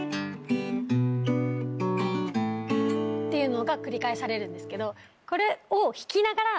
っていうのが繰り返されるんですけど。